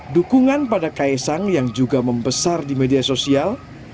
dukungan pada kaisang yang juga membesar di media sosial